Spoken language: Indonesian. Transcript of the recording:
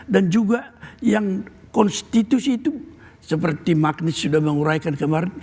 juga yang konstitusi itu seperti magnet sudah menguraikan kemarin